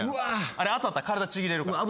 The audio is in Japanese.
あれ当たったら体ちぎれるから。